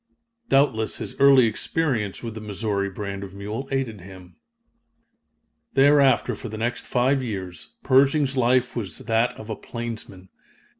Doubtless his early experience with the Missouri brand of mule aided him. Thereafter, for the next five years, Pershing's life was that of a plainsman.